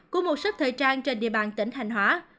của một số thời trang trên địa bàn tỉnh hành hóa